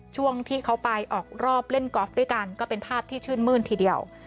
ช่วงที่เขาไปออกรอบเล่นกอล์ฟด้วยกันก็เป็นภาพที่ชื่นมื้นทีเดียว